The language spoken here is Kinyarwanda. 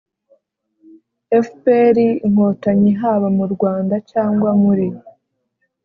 fpr-inkotanyi haba mu rwanda cyangwa muri